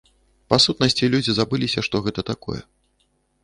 Па-сутнасці, людзі забыліся, што гэта такое.